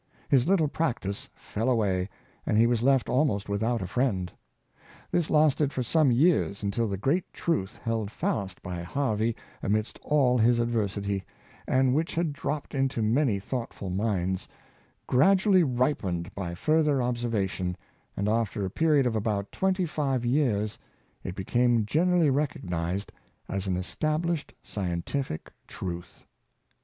His little practice fell away, and he was left almost without a friend. This lasted for some years, until the great truth, held fast by Harvey amidst all his adversity, and which had dropped into many thoughtful miuds, gradually ripened by fur ther observation, and after a period of about twenty five years it became generally recognized as an estab lished scientific truth.